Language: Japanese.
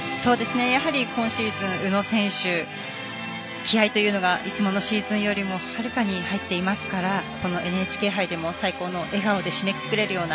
やはり今シーズン宇野選手、気合いというのがいつものシーズンよりもはるかに入っていますからこのＮＨＫ杯でも最高の笑顔で締めくくれるような。